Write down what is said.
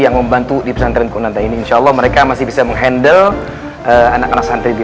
yang membantu di pesantren kunanda ini insya allah mereka masih bisa menghandle anak anak santri di